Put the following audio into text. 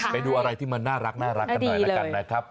ไปดูอะไรที่มันน่ารักกันหน่อยนะครับ